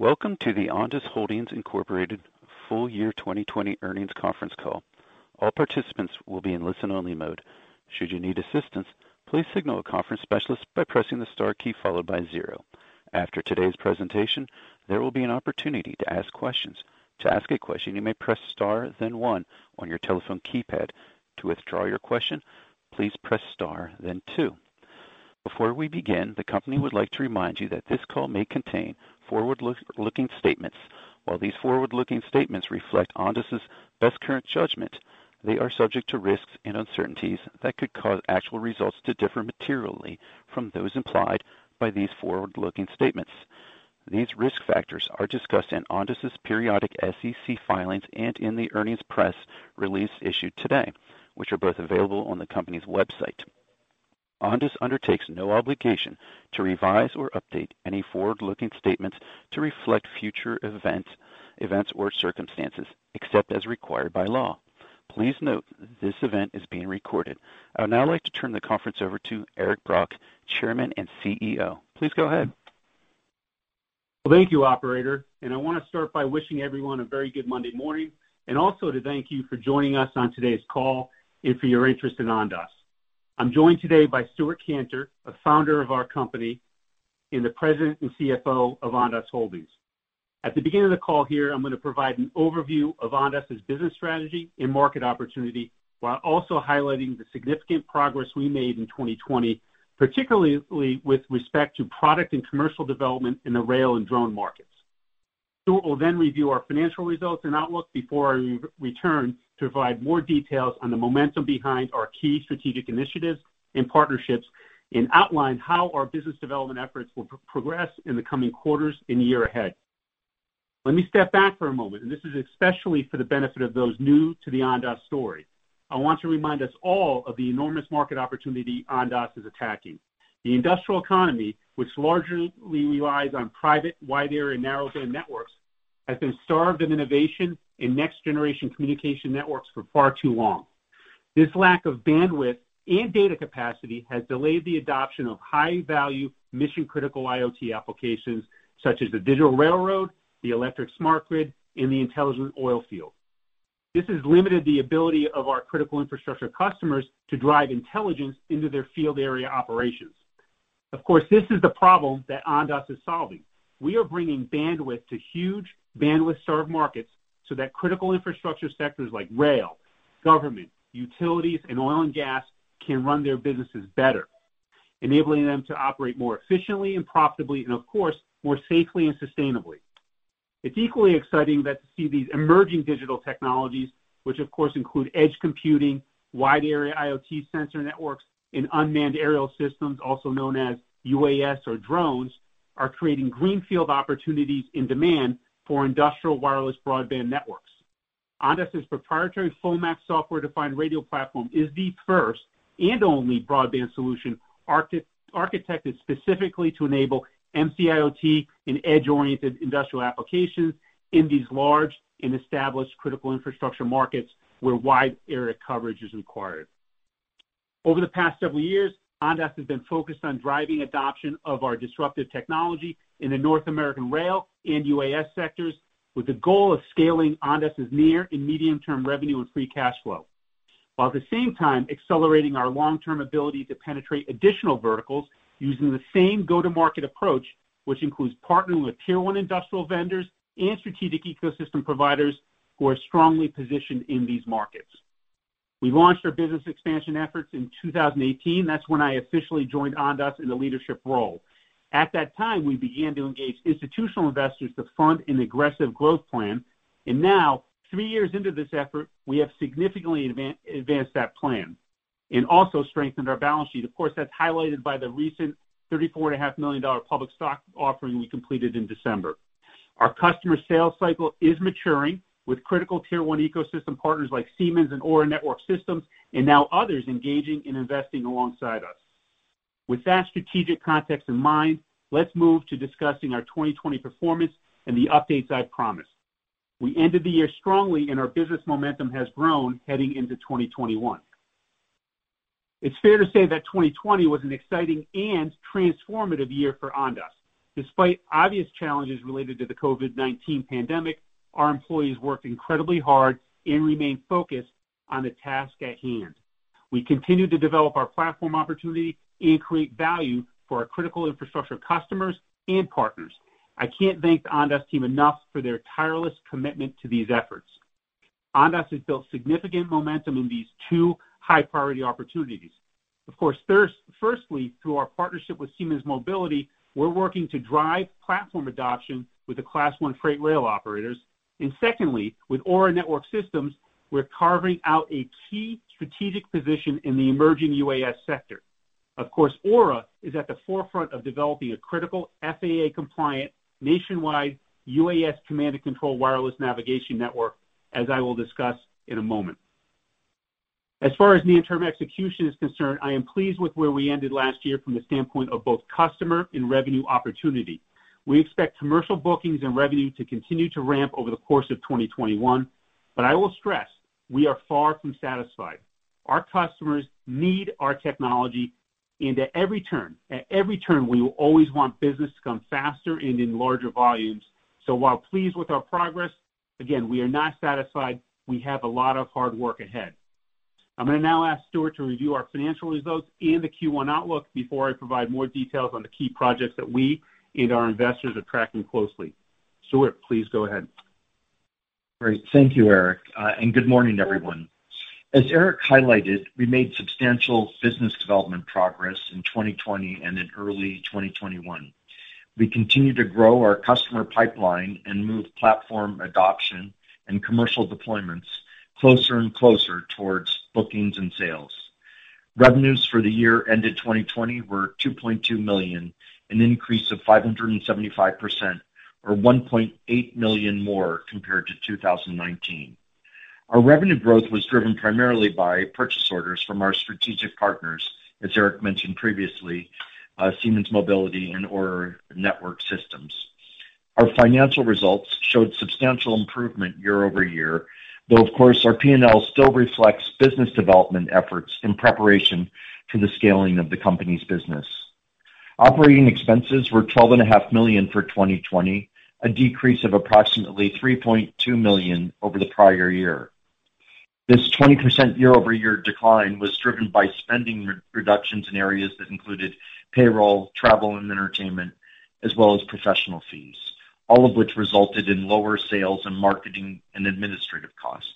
Welcome to the Ondas Holdings Incorporated Full-Year 2020 Earnings Conference Call. All participants will be in listen-only mode. Should you need assistance please signal the conference specialist by pressing star followed by zero. After today's presentation, there will be an opportunity to ask questions. To ask a question you may press star then one on your telephone keypad. To withdraw your question please press star then two. Before we begin, the company would like to remind you that this call may contain forward-looking statements. While these forward-looking statements reflect Ondas' best current judgment, they are subject to risks and uncertainties that could cause actual results to differ materially from those implied by these forward-looking statements. These risk factors are discussed in Ondas' periodic SEC filings and in the earnings press release issued today, which are both available on the company's website. Ondas undertakes no obligation to revise or update any forward-looking statements to reflect future events or circumstances, except as required by law. Please note this event is being recorded. I would now like to turn the conference over to Eric Brock, Chairman and CEO. Please go ahead. Well, thank you, operator. I want to start by wishing everyone a very good Monday morning, and also to thank you for joining us on today's call and for your interest in Ondas. I'm joined today by Stewart Kantor, a founder of our company, and the President and CFO of Ondas Holdings. At the beginning of the call here, I'm going to provide an overview of Ondas' business strategy and market opportunity, while also highlighting the significant progress we made in 2020, particularly with respect to product and commercial development in the rail and drone markets. Stewart will then review our financial results and outlook before I return to provide more details on the momentum behind our key strategic initiatives and partnerships, and outline how our business development efforts will progress in the coming quarters and year ahead. Let me step back for a moment, and this is especially for the benefit of those new to the Ondas story. I want to remind us all of the enormous market opportunity Ondas is attacking. The industrial economy, which largely relies on private wide-area and narrowband networks, has been starved of innovation in next-generation communication networks for far too long. This lack of bandwidth and data capacity has delayed the adoption of high-value Mission-Critical IoT applications such as the digital railroad, the electric smart grid, and the intelligent oil field. This has limited the ability of our critical infrastructure customers to drive intelligence into their field area operations. Of course, this is the problem that Ondas is solving. We are bringing bandwidth to huge bandwidth-starved markets so that critical infrastructure sectors like rail, government, utilities, and oil and gas can run their businesses better, enabling them to operate more efficiently and profitably, and of course, more safely and sustainably. It's equally exciting that to see these emerging digital technologies, which of course include edge computing, wide area IoT sensor networks, and unmanned aerial systems, also known as UAS or drones, are creating greenfield opportunities in demand for industrial wireless broadband networks. Ondas' proprietary FullMAX software-defined radio platform is the first and only broadband solution architected specifically to enable MC-IoT and edge-oriented industrial applications in these large and established critical infrastructure markets where wide area coverage is required. Over the past several years, Ondas has been focused on driving adoption of our disruptive technology in the North American rail and UAS sectors with the goal of scaling Ondas' near and medium-term revenue and free cash flow, while at the same time accelerating our long-term ability to penetrate additional verticals using the same go-to-market approach, which includes partnering with tier 1 industrial vendors and strategic ecosystem providers who are strongly positioned in these markets. We launched our business expansion efforts in 2018. That's when I officially joined Ondas in the leadership role. At that time, we began to engage institutional investors to fund an aggressive growth plan, and now, three years into this effort, we have significantly advanced that plan and also strengthened our balance sheet. Of course, that's highlighted by the recent $34.5 million public stock offering we completed in December. Our customer sales cycle is maturing with critical tier one ecosystem partners like Siemens and AURA Network Systems, and now others engaging and investing alongside us. With that strategic context in mind, let's move to discussing our 2020 performance and the updates I promised. We ended the year strongly, and our business momentum has grown heading into 2021. It's fair to say that 2020 was an exciting and transformative year for Ondas. Despite obvious challenges related to the COVID-19 pandemic, our employees worked incredibly hard and remained focused on the task at hand. We continued to develop our platform opportunity and create value for our critical infrastructure customers and partners. I can't thank the Ondas team enough for their tireless commitment to these efforts. Ondas has built significant momentum in these two high-priority opportunities. Firstly, through our partnership with Siemens Mobility, we're working to drive platform adoption with the Class I freight rail operators. Secondly, with AURA Network Systems, we're carving out a key strategic position in the emerging UAS sector. AURA is at the forefront of developing a critical FAA-compliant nationwide UAS command and control wireless navigation network, as I will discuss in a moment. As far as near-term execution is concerned, I am pleased with where we ended last year from the standpoint of both customer and revenue opportunity. We expect commercial bookings and revenue to continue to ramp over the course of 2021. I will stress, we are far from satisfied. Our customers need our technology into every turn. At every turn, we will always want business to come faster and in larger volumes. While pleased with our progress, again, we are not satisfied. We have a lot of hard work ahead. I'm going to now ask Stewart to review our financial results and the Q1 outlook before I provide more details on the key projects that we and our investors are tracking closely. Stewart, please go ahead. Great. Thank you, Eric, and good morning, everyone. As Eric highlighted, we made substantial business development progress in 2020 and in early 2021. We continue to grow our customer pipeline and move platform adoption and commercial deployments closer and closer towards bookings and sales. Revenues for the year ended 2020 were $2.2 million, an increase of 575%, or $1.8 million more compared to 2019. Our revenue growth was driven primarily by purchase orders from our strategic partners, as Eric mentioned previously, Siemens Mobility and AURA Network Systems. Our financial results showed substantial improvement year-over-year, though, of course, our P&L still reflects business development efforts in preparation for the scaling of the company's business. Operating expenses were $12.5 million for 2020, a decrease of approximately $3.2 million over the prior year. This 20% year-over-year decline was driven by spending reductions in areas that included payroll, travel and entertainment, as well as professional fees, all of which resulted in lower sales and marketing and administrative costs.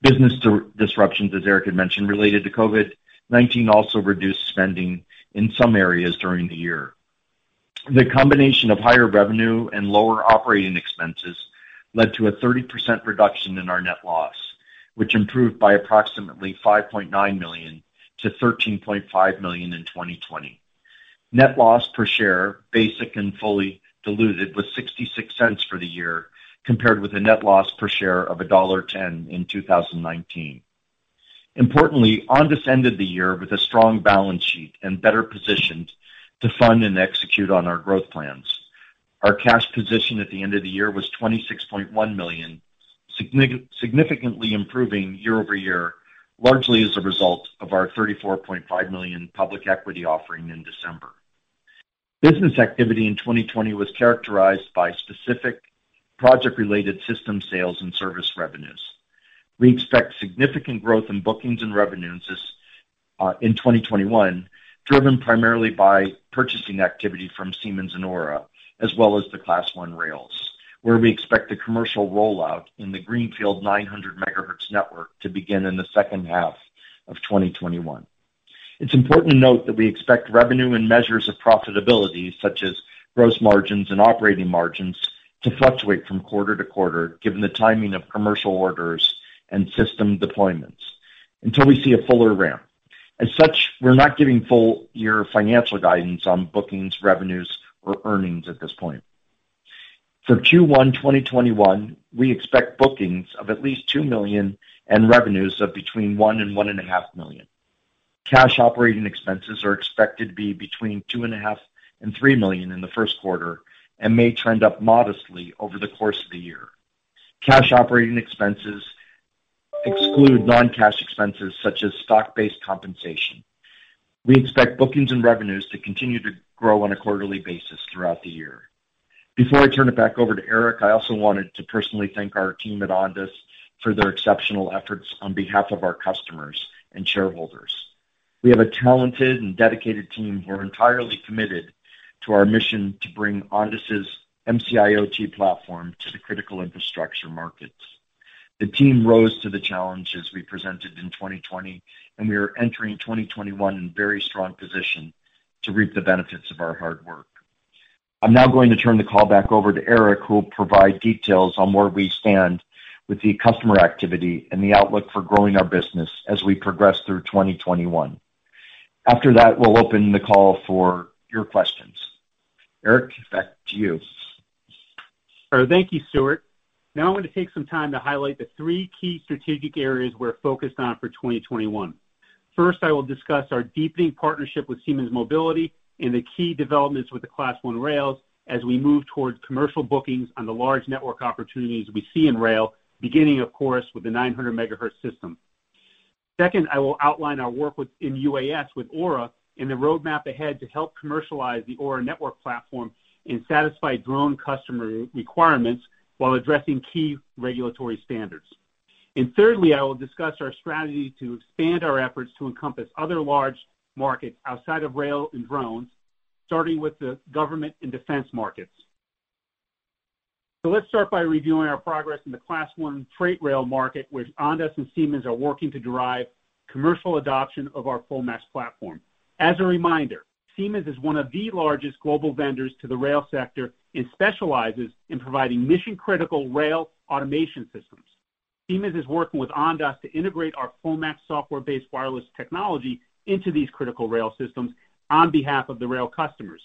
Business disruptions, as Eric had mentioned, related to COVID-19 also reduced spending in some areas during the year. The combination of higher revenue and lower operating expenses led to a 30% reduction in our net loss, which improved by approximately $5.9 million to $13.5 million in 2020. Net loss per share, basic and fully diluted, was $0.66 for the year, compared with a net loss per share of $1.10 in 2019. Importantly, Ondas ended the year with a strong balance sheet and better positioned to fund and execute on our growth plans. Our cash position at the end of the year was $26.1 million, significantly improving year-over-year, largely as a result of our $34.5 million public equity offering in December. Business activity in 2020 was characterized by specific project-related system sales and service revenues. We expect significant growth in bookings and revenues in 2021, driven primarily by purchasing activity from Siemens and AURA, as well as the Class I rails, where we expect the commercial rollout in the greenfield 900 MHz network to begin in the second half of 2021. It's important to note that we expect revenue and measures of profitability, such as gross margins and operating margins, to fluctuate from quarter-to-quarter, given the timing of commercial orders and system deployments until we see a fuller ramp. As such, we're not giving full-year financial guidance on bookings, revenues, or earnings at this point. For Q1 2021, we expect bookings of at least $2 million and revenues of between $1 million and $1.5 million. Cash operating expenses are expected to be between $2.5 million and $3 million in the first quarter and may trend up modestly over the course of the year. Cash operating expenses exclude non-cash expenses such as stock-based compensation. We expect bookings and revenues to continue to grow on a quarterly basis throughout the year. Before I turn it back over to Eric, I also wanted to personally thank our team at Ondas for their exceptional efforts on behalf of our customers and shareholders. We have a talented and dedicated team who are entirely committed to our mission to bring Ondas' MC-IoT platform to the critical infrastructure markets. The team rose to the challenges we presented in 2020, and we are entering 2021 in a very strong position to reap the benefits of our hard work. I'm now going to turn the call back over to Eric, who will provide details on where we stand with the customer activity and the outlook for growing our business as we progress through 2021. After that, we'll open the call for your questions. Eric, back to you. Thank you, Stewart. Now I'm going to take some time to highlight the three key strategic areas we're focused on for 2021. First, I will discuss our deepening partnership with Siemens Mobility and the key developments with the Class I rails as we move towards commercial bookings on the large network opportunities we see in rail, beginning, of course, with the 900 MHz system. Second, I will outline our work in UAS with AURA and the roadmap ahead to help commercialize the AURA network platform and satisfy drone customer requirements while addressing key regulatory standards. Thirdly, I will discuss our strategy to expand our efforts to encompass other large markets outside of rail and drones, starting with the government and defense markets. Let's start by reviewing our progress in the Class I freight rail market, which Ondas and Siemens are working to drive commercial adoption of our FullMAX platform. As a reminder, Siemens is one of the largest global vendors to the rail sector and specializes in providing mission-critical rail automation systems. Siemens is working with Ondas to integrate our FullMAX software-based wireless technology into these critical rail systems on behalf of the rail customers.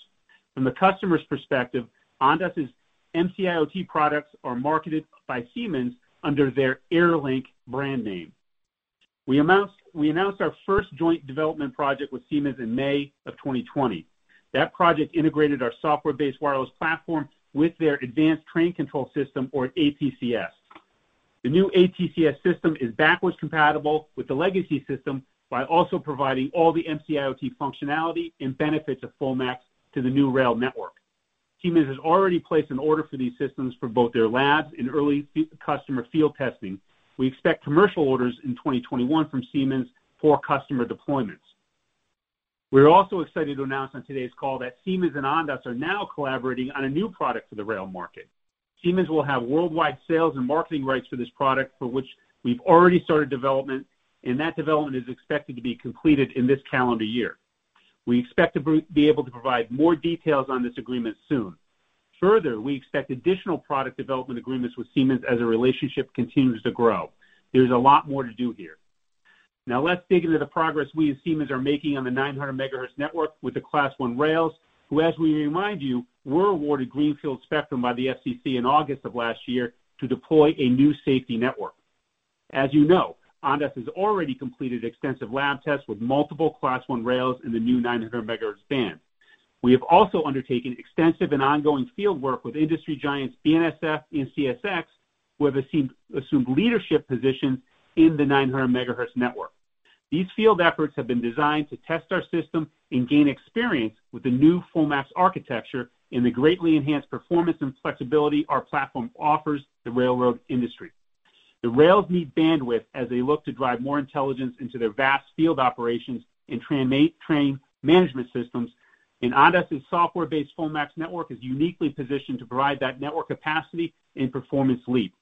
From the customer's perspective, Ondas' MC-IoT products are marketed by Siemens under their AirLink brand name. We announced our first joint development project with Siemens in May of 2020. That project integrated our software-based wireless platform with their Advanced Train Control System, or ATCS. The new ATCS system is backwards compatible with the legacy system by also providing all the MC-IoT functionality and benefits of FullMAX to the new rail network. Siemens has already placed an order for these systems for both their labs and early customer field testing. We expect commercial orders in 2021 from Siemens for customer deployments. We're also excited to announce on today's call that Siemens and Ondas are now collaborating on a new product for the rail market. Siemens will have worldwide sales and marketing rights for this product, for which we've already started development, and that development is expected to be completed in this calendar year. We expect to be able to provide more details on this agreement soon. We expect additional product development agreements with Siemens as our relationship continues to grow. There's a lot more to do here. Now let's dig into the progress we and Siemens are making on the 900 MHz network with the Class I rails, who, as we remind you, were awarded Greenfield Spectrum by the FCC in August of last year to deploy a new safety network. As you know, Ondas has already completed extensive lab tests with multiple Class I rails in the new 900 MHz band. We have also undertaken extensive and ongoing field work with industry giants BNSF and CSX, who have assumed leadership positions in the 900 MHz network. These field efforts have been designed to test our system and gain experience with the new FullMAX architecture and the greatly enhanced performance and flexibility our platform offers the railroad industry. The rails need bandwidth as they look to drive more intelligence into their vast field operations and train management systems, and Ondas' software-based FullMAX network is uniquely positioned to provide that network capacity and performance leap.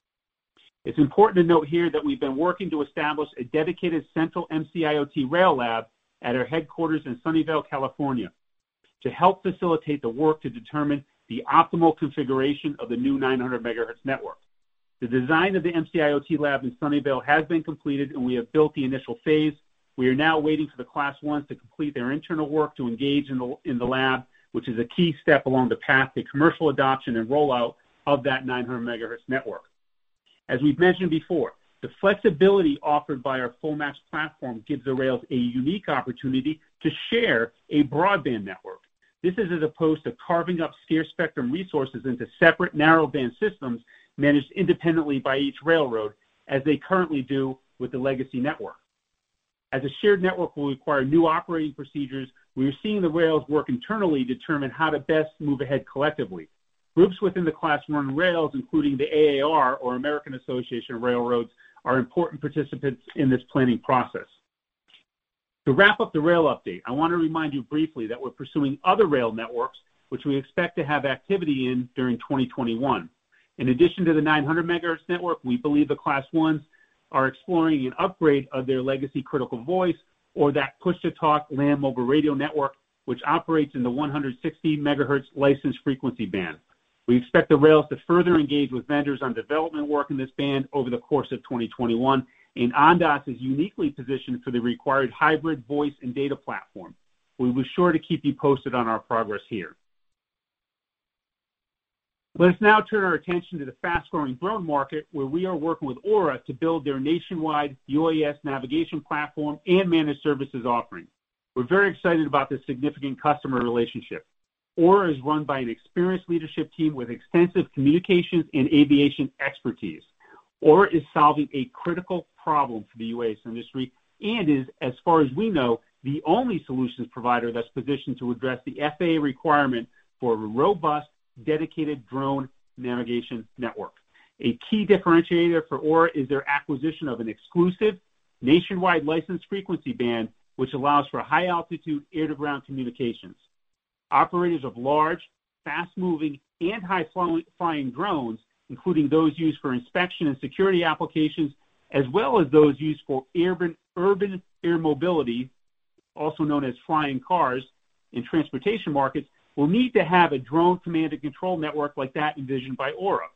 It's important to note here that we've been working to establish a dedicated central MC-IoT rail lab at our headquarters in Sunnyvale, California, to help facilitate the work to determine the optimal configuration of the new 900 MHz network. The design of the MC-IoT lab in Sunnyvale has been completed, and we have built the initial phase. We are now waiting for the Class Is to complete their internal work to engage in the lab, which is a key step along the path to commercial adoption and rollout of that 900 MHz network. As we've mentioned before, the flexibility offered by our FullMAX platform gives the rails a unique opportunity to share a broadband network. This is as opposed to carving up scarce spectrum resources into separate narrowband systems managed independently by each railroad, as they currently do with the legacy network. As a shared network will require new operating procedures, we are seeing the rails work internally to determine how to best move ahead collectively. Groups within the Class I rails, including the AAR, or Association of American Railroads, are important participants in this planning process. To wrap up the rail update, I want to remind you briefly that we're pursuing other rail networks, which we expect to have activity in during 2021. In addition to the 900 MHz network, we believe the Class Is are exploring an upgrade of their legacy critical voice or that push-to-talk land mobile radio network, which operates in the 160 MHz licensed frequency band. We expect the rails to further engage with vendors on development work in this band over the course of 2021. Ondas is uniquely positioned for the required hybrid voice and data platform. We'll be sure to keep you posted on our progress here. Let us now turn our attention to the fast-growing drone market, where we are working with AURA to build their nationwide UAS navigation platform and managed services offering. We're very excited about this significant customer relationship. AURA is run by an experienced leadership team with extensive communications and aviation expertise. AURA is solving a critical problem for the UAS industry and is, as far as we know, the only solutions provider that's positioned to address the FAA requirement for a robust, dedicated drone navigation network. A key differentiator for AURA is their acquisition of an exclusive nationwide licensed frequency band, which allows for high-altitude air-to-ground communications. Operators of large, fast-moving, and high-flying drones, including those used for inspection and security applications, as well as those used for urban air mobility, also known as flying cars, in transportation markets, will need to have a drone command and control network like that envisioned by AURA.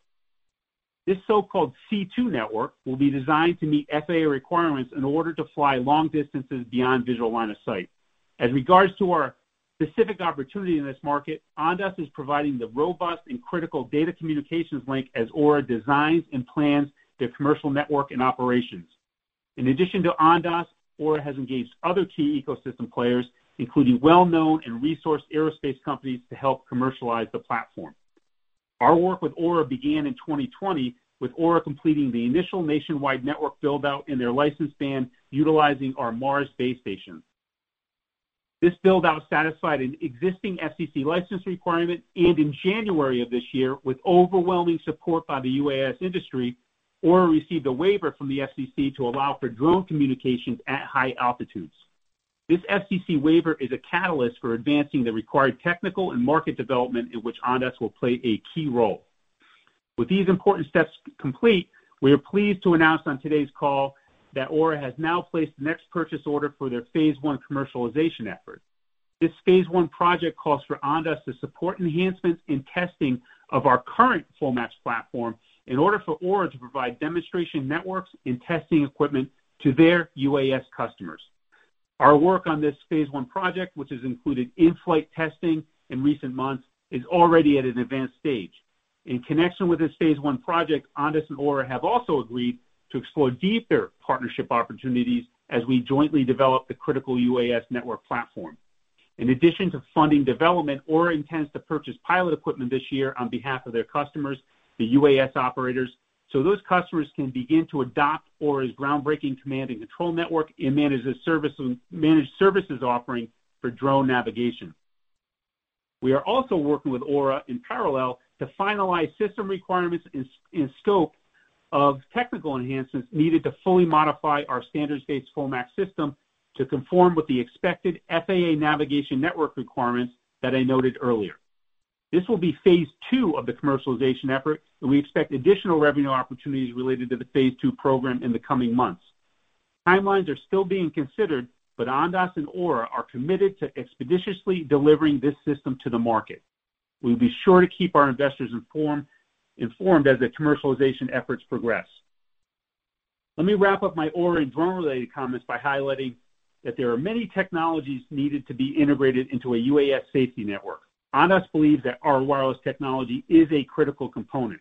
This so-called C2 network will be designed to meet FAA requirements in order to fly long distances beyond visual line of sight. As regards to our specific opportunity in this market, Ondas is providing the robust and critical data communications link as AURA designs and plans their commercial network and operations. In addition to Ondas, AURA has engaged other key ecosystem players, including well-known and resourced aerospace companies, to help commercialize the platform. Our work with AURA began in 2020, with AURA completing the initial nationwide network build-out in their license band utilizing our Mars base station. This build-out satisfied an existing FCC license requirement, and in January of this year, with overwhelming support by the UAS industry, AURA received a waiver from the FCC to allow for drone communications at high altitudes. This FCC waiver is a catalyst for advancing the required technical and market development in which Ondas will play a key role. With these important steps complete, we are pleased to announce on today's call that AURA has now placed the next purchase order for their phase I commercialization effort. This phase I project calls for Ondas to support enhancements in testing of our current FullMAX platform in order for AURA to provide demonstration networks and testing equipment to their UAS customers. Our work on this phase I project, which has included in-flight testing in recent months, is already at an advanced stage. In connection with this phase I project, Ondas and AURA have also agreed to explore deeper partnership opportunities as we jointly develop the critical UAS network platform. In addition to funding development, AURA intends to purchase pilot equipment this year on behalf of their customers, the UAS operators, so those customers can begin to adopt AURA's groundbreaking command and control network and managed services offering for drone navigation. We are also working with AURA in parallel to finalize system requirements and scope of technical enhancements needed to fully modify our standard base FullMAX system to conform with the expected FAA navigation network requirements that I noted earlier. This will be phase two of the commercialization effort. We expect additional revenue opportunities related to the phase two program in the coming months. Timelines are still being considered. Ondas and AURA are committed to expeditiously delivering this system to the market. We'll be sure to keep our investors informed as the commercialization efforts progress. Let me wrap up my AURA and drone-related comments by highlighting that there are many technologies needed to be integrated into a UAS safety network. Ondas believes that our wireless technology is a critical component.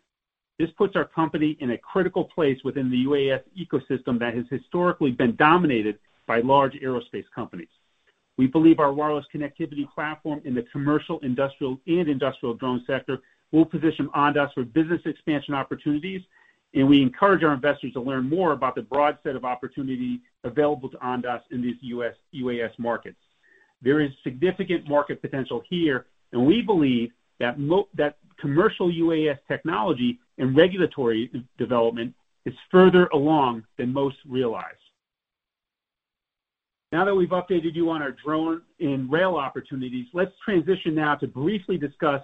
This puts our company in a critical place within the UAS ecosystem that has historically been dominated by large aerospace companies. We believe our wireless connectivity platform in the commercial, industrial, and industrial drone sector will position Ondas for business expansion opportunities, and we encourage our investors to learn more about the broad set of opportunities available to Ondas in these UAS markets. There is significant market potential here, and we believe that commercial UAS technology and regulatory development is further along than most realize. Now that we've updated you on our drone and rail opportunities, let's transition now to briefly discuss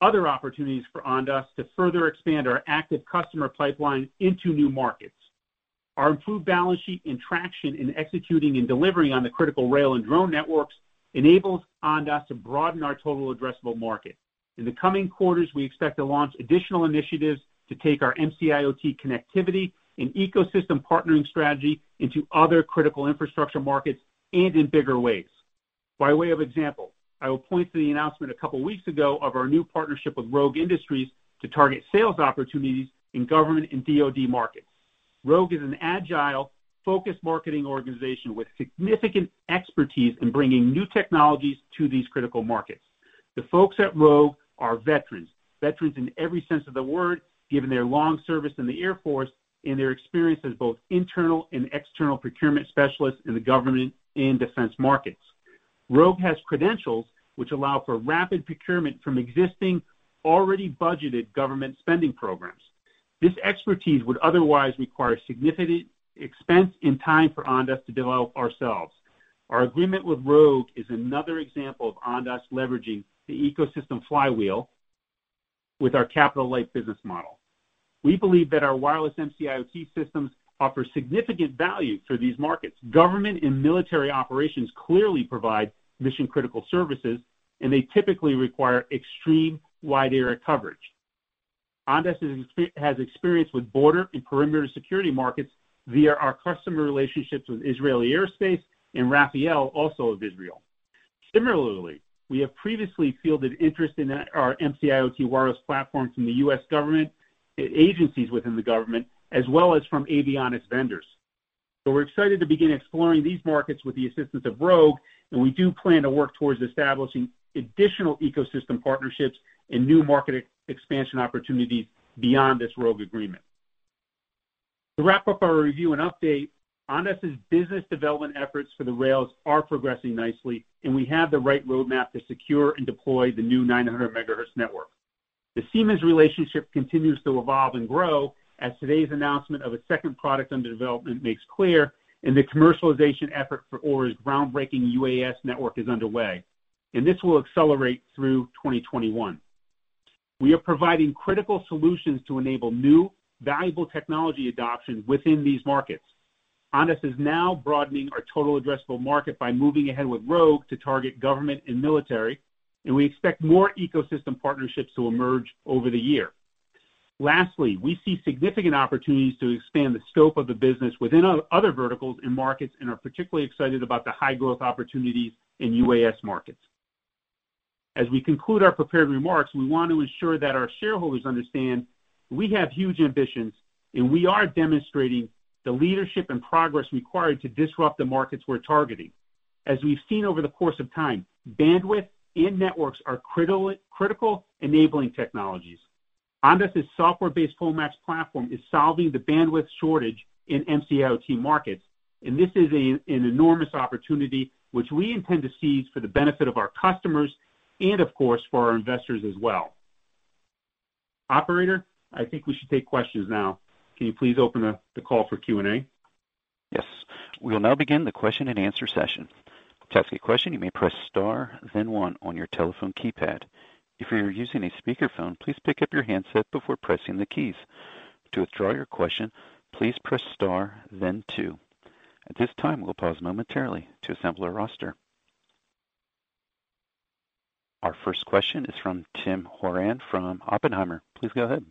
other opportunities for Ondas to further expand our active customer pipeline into new markets. Our improved balance sheet and traction in executing and delivering on the critical rail and drone networks enables Ondas to broaden our total addressable market. In the coming quarters, we expect to launch additional initiatives to take our MC-IoT connectivity and ecosystem partnering strategy into other critical infrastructure markets and in bigger ways. By way of example, I will point to the announcement a couple of weeks ago of our new partnership with Rogue Industries to target sales opportunities in government and DoD markets. Rogue is an agile, focused marketing organization with significant expertise in bringing new technologies to these critical markets. The folks at Rogue are veterans in every sense of the word, given their long service in the Air Force and their experience as both internal and external procurement specialists in the government and defense markets. Rogue has credentials which allow for rapid procurement from existing, already budgeted government spending programs. This expertise would otherwise require significant expense and time for Ondas to develop ourselves. Our agreement with Rogue is another example of Ondas leveraging the ecosystem flywheel with our capital-light business model. We believe that our wireless MC-IoT systems offer significant value for these markets. Government and military operations clearly provide mission-critical services, and they typically require extreme wide-area coverage. Ondas has experience with border and perimeter security markets via our customer relationships with Israel Aerospace Industries and Rafael, also of Israel. Similarly, we have previously fielded interest in our MC-IoT wireless platforms in the U.S. government, agencies within the government, as well as from avionics vendors. We're excited to begin exploring these markets with the assistance of Rogue, and we do plan to work towards establishing additional ecosystem partnerships and new market expansion opportunities beyond this Rogue agreement. To wrap up our review and update, Ondas' business development efforts for the rails are progressing nicely, and we have the right roadmap to secure and deploy the new 900 MHz network. The Siemens relationship continues to evolve and grow as today's announcement of a second product under development makes clear, and the commercialization effort for AURA's groundbreaking UAS network is underway. This will accelerate through 2021. We are providing critical solutions to enable new, valuable technology adoption within these markets. Ondas is now broadening our total addressable market by moving ahead with Rogue to target government and military, and we expect more ecosystem partnerships to emerge over the year. Lastly, we see significant opportunities to expand the scope of the business within other verticals and markets and are particularly excited about the high-growth opportunities in UAS markets. As we conclude our prepared remarks, we want to ensure that our shareholders understand we have huge ambitions, and we are demonstrating the leadership and progress required to disrupt the markets we're targeting. As we've seen over the course of time, bandwidth and networks are critical enabling technologies. Ondas' software-based FullMAX platform is solving the bandwidth shortage in MC-IoT markets, and this is an enormous opportunity which we intend to seize for the benefit of our customers and, of course, for our investors as well. Operator, I think we should take questions now. Can you please open up the call for Q&A? Yes. We will now begin the question-and-answer session. To ask a question, you may press star then one on your telephone keypad. If you are using a speakerphone, please pick up your handset before pressing the keys. To withdraw your question, please press star then two. At this time, we'll pause momentarily to assemble a roster Our first question is from Tim Horan from Oppenheimer. Please go ahead.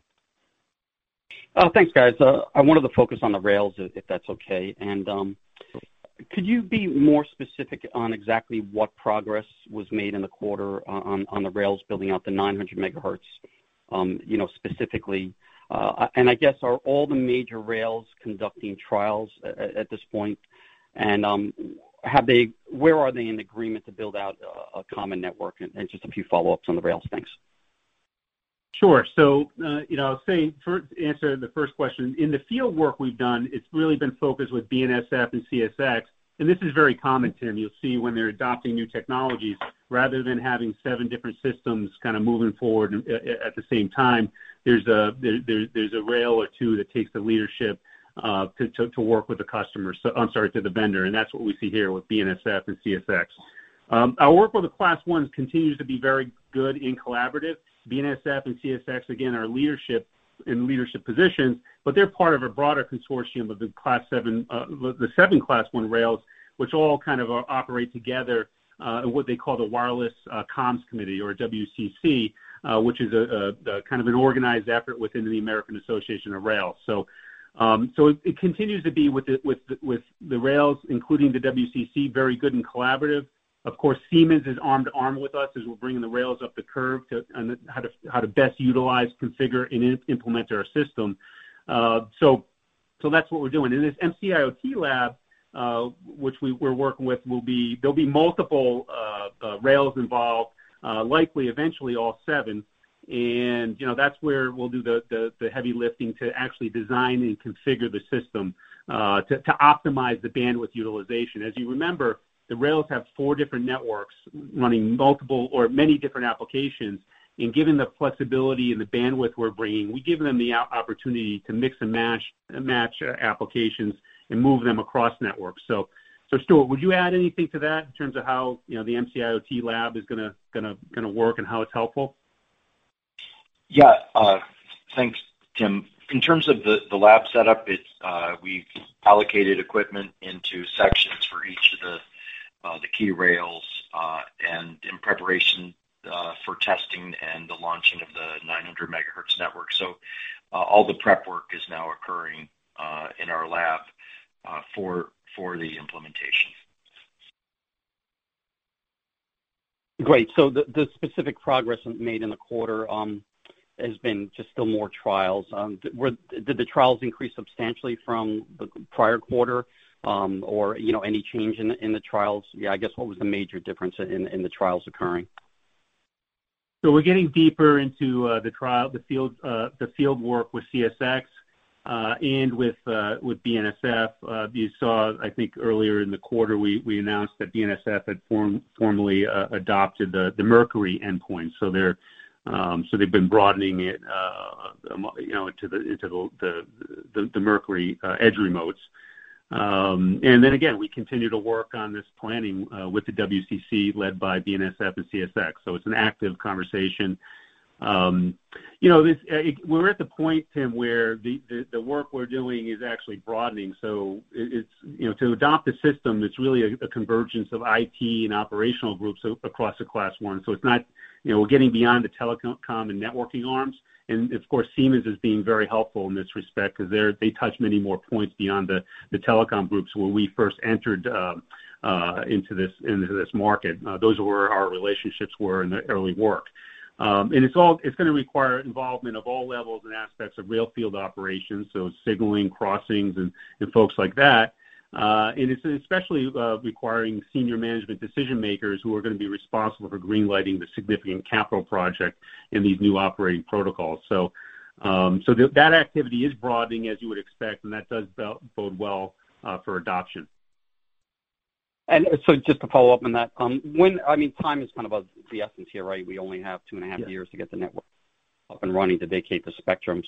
Thanks, guys. I wanted to focus on the rails, if that's okay. Could you be more specific on exactly what progress was made in the quarter on the rails building out the 900 MHz, specifically? I guess, are all the major rails conducting trials at this point? Where are they in agreement to build out a common network? Just a few follow-ups on the rails. Thanks. Sure. To answer the first question, in the field work we've done, it's really been focused with BNSF and CSX, and this is very common, Tim. You'll see when they're adopting new technologies, rather than having seven different systems kind of moving forward at the same time, there's a rail or two that takes the leadership to work with the vendor, and that's what we see here with BNSF and CSX. Our work with the Class Is continues to be very good and collaborative. BNSF and CSX, again, are in leadership positions, but they're part of a broader consortium of the seven Class I rails, which all kind of operate together in what they call the Wireless Communications Committee, or WCC, which is kind of an organized effort within the Association of American Railroads. It continues to be with the rails, including the WCC, very good and collaborative. Of course, Siemens is arm to arm with us as we're bringing the rails up the curve on how to best utilize, configure, and implement our system. That's what we're doing. This MC-IoT lab, which we're working with, there'll be multiple rails involved, likely eventually all seven. That's where we'll do the heavy lifting to actually design and configure the system to optimize the bandwidth utilization. As you remember, the rails have four different networks running multiple or many different applications, and given the flexibility and the bandwidth we're bringing, we give them the opportunity to mix and match applications and move them across networks. Stewart, would you add anything to that in terms of how the MC-IoT lab is going to work and how it's helpful? Yeah. Thanks, Tim. In terms of the lab setup, we've allocated equipment into sections for each of the key rails, and in preparation for testing and the launching of the 900 MHz network. All the prep work is now occurring in our lab for the implementation. Great. The specific progress made in the quarter has been just still more trials. Did the trials increase substantially from the prior quarter? Any change in the trials? I guess what was the major difference in the trials occurring? We're getting deeper into the field work with CSX and with BNSF. You saw, I think earlier in the quarter, we announced that BNSF had formally adopted the Mercury endpoint, so they've been broadening it into the Mercury edge remotes. Again, we continue to work on this planning with the WCC led by BNSF and CSX. It's an active conversation. We're at the point, Tim, where the work we're doing is actually broadening. To adopt a system, it's really a convergence of IT and operational groups across the Class Is. We're getting beyond the telecom and networking arms. Of course, Siemens is being very helpful in this respect because they touch many more points beyond the telecom groups where we first entered into this market. Those were our relationships were in the early work. It's going to require involvement of all levels and aspects of rail field operations, so signaling, crossings, and folks like that. It's especially requiring senior management decision-makers who are going to be responsible for green-lighting the significant capital project in these new operating protocols. That activity is broadening, as you would expect, and that does bode well for adoption. Just to follow up on that, time is kind of the essence here, right? We only have two and a half years to get the network up and running to vacate the spectrum.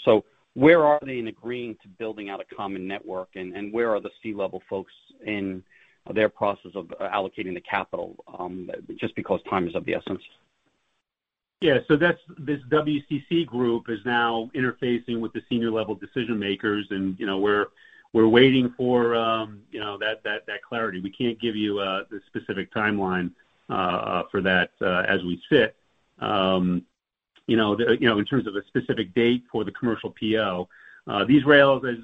Where are they in agreeing to building out a common network, and where are the C-level folks in their process of allocating the capital? Just because time is of the essence. Yeah. This WCC group is now interfacing with the senior level decision makers and we're waiting for that clarity. We can't give you the specific timeline for that as we sit in terms of a specific date for the commercial PO. These rails, as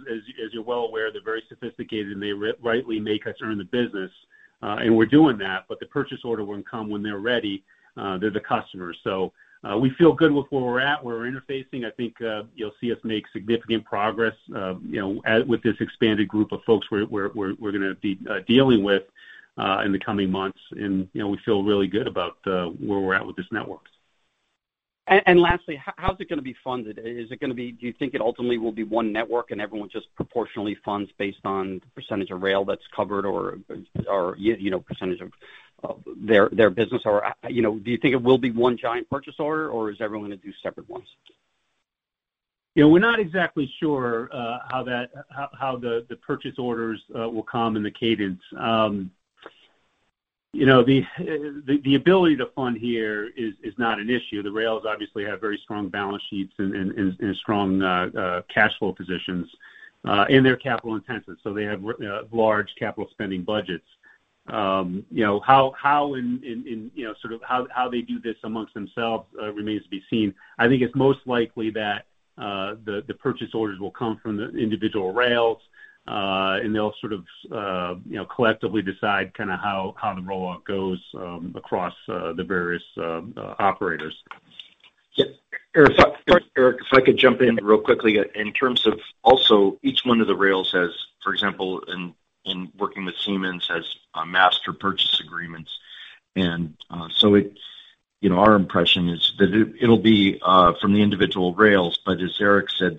you're well aware, they're very sophisticated, they rightly make us earn the business, we're doing that, the purchase order will come when they're ready. They're the customers. We feel good with where we're at. We're interfacing. I think you'll see us make significant progress with this expanded group of folks we're going to be dealing with in the coming months, we feel really good about where we're at with this network. Lastly, how's it going to be funded? Do you think it ultimately will be one network and everyone just proportionally funds based on the percentage of rail that's covered or percentage of their business, or do you think it will be one giant purchase order, or is everyone going to do separate ones? We're not exactly sure how the purchase orders will come and the cadence. The ability to fund here is not an issue. The rails obviously have very strong balance sheets and strong cash flow positions, and they're capital intensive, so they have large capital spending budgets. How they do this amongst themselves remains to be seen. I think it's most likely that the purchase orders will come from the individual rails, and they'll collectively decide how the rollout goes across the various operators. Eric, if I could jump in real quickly. In terms of also each one of the rails has, for example, in working with Siemens, master purchase agreements. Our impression is that it'll be from the individual rails. As Eric said,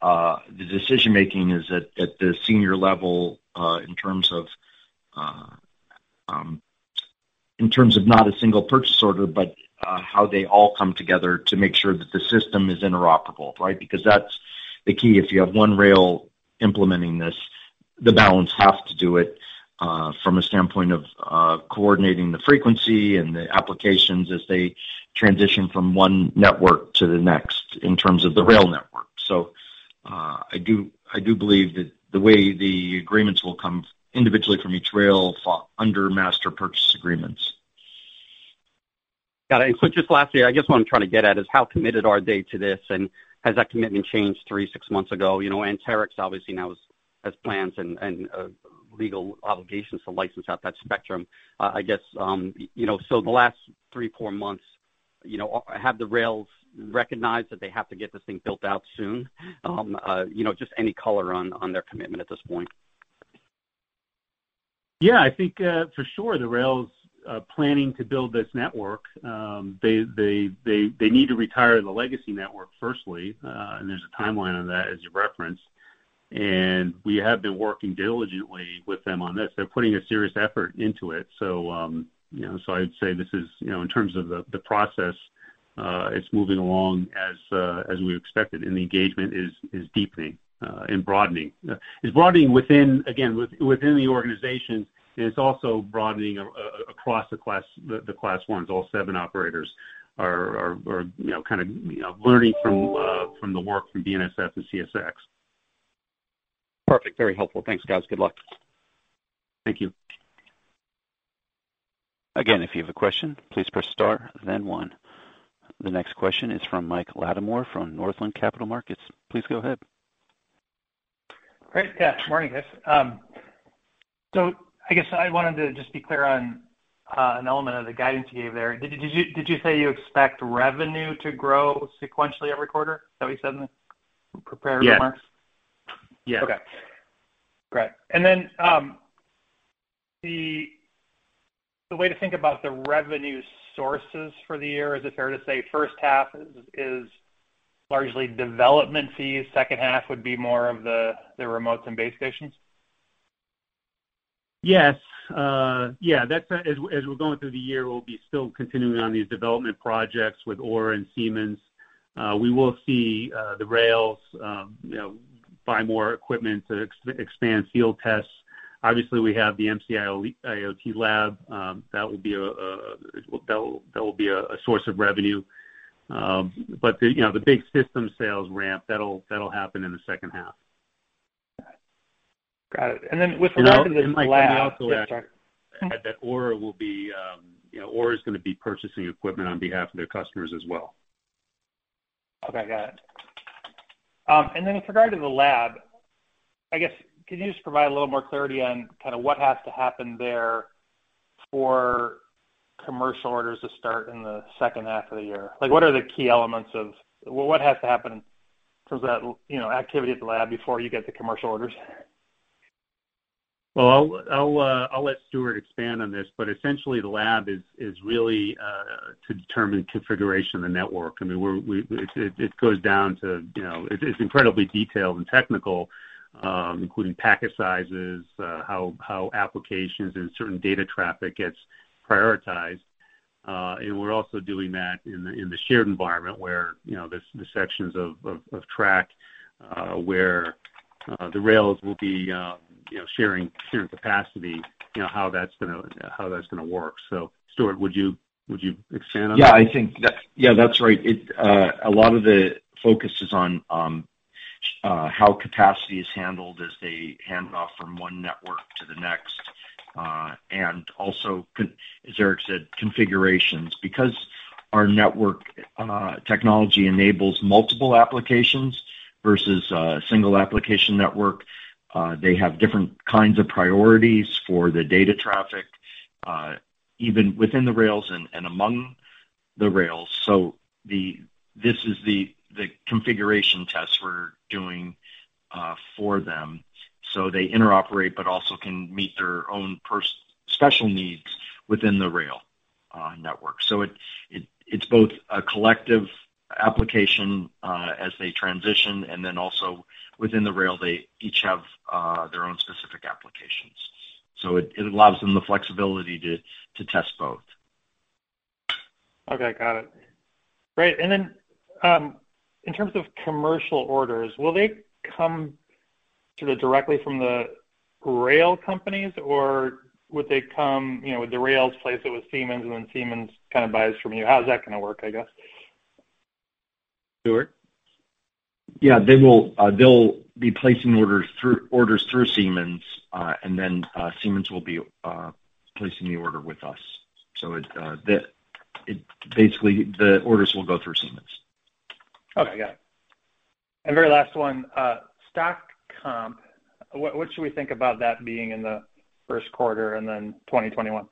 the decision-making is at the senior level in terms of not a single purchase order, but how they all come together to make sure that the system is interoperable, right? Because that's the key. If you have one rail implementing this, the balance has to do it, from a standpoint of coordinating the frequency and the applications as they transition from one network to the next, in terms of the rail network. I do believe that the way the agreements will come individually from each rail fall under master purchase agreements. Got it. Just lastly, I guess what I'm trying to get at is how committed are they to this, and has that commitment changed three, six months ago? Anterix obviously now has plans and legal obligations to license out that spectrum. The last three, four months, have the rails recognized that they have to get this thing built out soon? Just any color on their commitment at this point. Yeah, I think, for sure, the rail's planning to build this network. They need to retire the legacy network firstly, and there's a timeline on that as you referenced, and we have been working diligently with them on this. They're putting a serious effort into it. I'd say in terms of the process, it's moving along as we expected and the engagement is deepening and broadening. It's broadening within the organization, and it's also broadening across the Class Is. All seven operators are learning from the work from BNSF and CSX. Perfect. Very helpful. Thanks, guys. Good luck. Thank you. The next question is from Michael Latimore from Northland Capital Markets. Please go ahead. Great. Yeah. Morning, guys. I guess I wanted to just be clear on an element of the guidance you gave there. Did you say you expect revenue to grow sequentially every quarter? Is that what you said in the prepared remarks? Yes. Okay, great. The way to think about the revenue sources for the year, is it fair to say first half is largely development fees, second half would be more of the remotes and base stations? Yes. As we're going through the year, we'll be still continuing on these development projects with AURA and Siemens. We will see the rails buy more equipment to expand field tests. Obviously, we have the MC-IoT lab. That will be a source of revenue. The big system sales ramp, that'll happen in the second half. Got it. Mike, let me also add that AURA is going to be purchasing equipment on behalf of their customers as well. Okay, got it. With regard to the lab, I guess, could you just provide a little more clarity on what has to happen there for commercial orders to start in the second half of the year? What has to happen in terms of that activity at the lab before you get the commercial orders? Well, I'll let Stewart expand on this. Essentially the lab is really to determine configuration of the network. It's incredibly detailed and technical, including packet sizes, how applications and certain data traffic gets prioritized. We're also doing that in the shared environment where the sections of track where the rails will be sharing capacity, how that's going to work. Stewart, would you expand on that? Yeah, that's right. A lot of the focus is on how capacity is handled as they hand off from one network to the next, and also, as Eric said, configurations. Because our network technology enables multiple applications versus a single application network, they have different kinds of priorities for the data traffic, even within the rails and among the rails. This is the configuration test we're doing for them so they interoperate, but also can meet their own special needs within the rail network. It's both a collective application as they transition, and then also within the rail, they each have their own specific applications. It allows them the flexibility to test both. Okay, got it. Great. In terms of commercial orders, will they come directly from the rail companies, or would the rails place it with Siemens and then Siemens kind of buys from you? How is that going to work, I guess? Stewart? Yeah, they'll be placing orders through Siemens. Siemens will be placing the order with us. Basically, the orders will go through Siemens. Okay, got it. Very last one, stock comp, what should we think about that being in the first quarter and then 2021?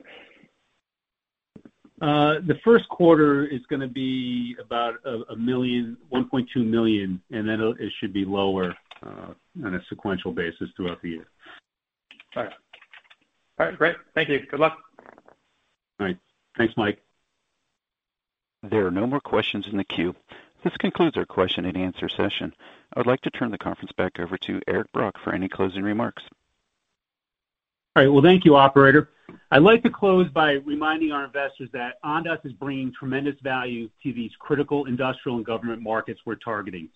The first quarter is going to be about $1.2 million. It should be lower on a sequential basis throughout the year. All right. Great. Thank you. Good luck. All right. Thanks, Mike. There are no more questions in the queue. This concludes our question-and answer session. I'd like to turn the conference back over to Eric Brock for any closing remarks. All right. Well, thank you, operator. I'd like to close by reminding our investors that Ondas is bringing tremendous value to these critical industrial and government markets we're targeting.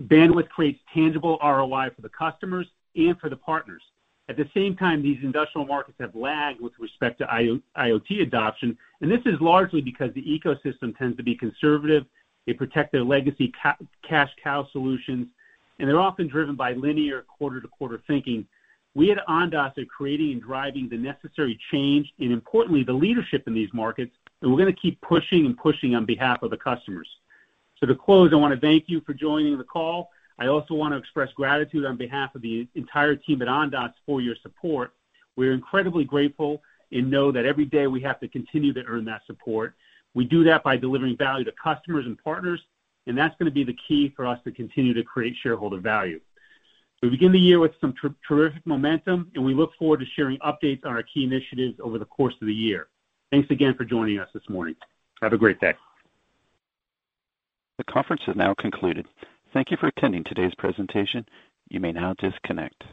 Bandwidth creates tangible ROI for the customers and for the partners. At the same time, these industrial markets have lagged with respect to IoT adoption, and this is largely because the ecosystem tends to be conservative. They protect their legacy cash cow solutions, and they're often driven by linear quarter-to-quarter thinking. We at Ondas are creating and driving the necessary change and importantly, the leadership in these markets, and we're going to keep pushing and pushing on behalf of the customers. To close, I want to thank you for joining the call. I also want to express gratitude on behalf of the entire team at Ondas for your support. We're incredibly grateful and know that every day we have to continue to earn that support. We do that by delivering value to customers and partners. That's going to be the key for us to continue to create shareholder value. We begin the year with some terrific momentum. We look forward to sharing updates on our key initiatives over the course of the year. Thanks again for joining us this morning. Have a great day. The conference has now concluded. Thank you for attending today's presentation. You may now disconnect.